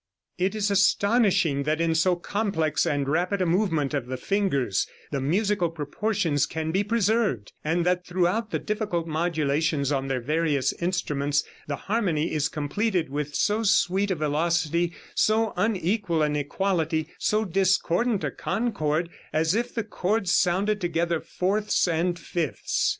It is astonishing that in so complex and rapid a movement of the fingers the musical proportions can be preserved, and that throughout the difficult modulations on their various instruments the harmony is completed with so sweet a velocity, so unequal an equality, so discordant a concord, as if the chords sounded together fourths and fifths.